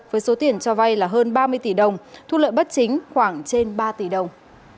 với số tiền cho vay là hơn ba mươi tỷ đồng thu lợi bất chính khoảng trên ba tỷ đồng